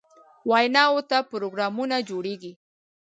ویناوو ته پروګرامونه جوړوي.